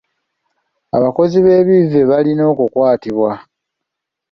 Abakozi b'ebivve balina okukwatibwa.